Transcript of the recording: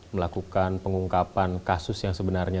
melakukan pengungkapan kasus yang sebenarnya